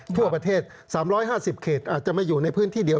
ทั่วประเทศ๓๕๐เขตอาจจะมาอยู่ในพื้นที่เดียว